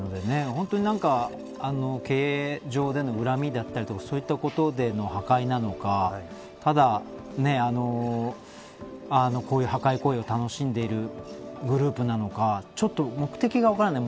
本当に経営上での恨みだったりとかそういったことでの破壊なのかただ、こういう破壊行為を楽しんでいるグループなのかちょっと目的が分からない。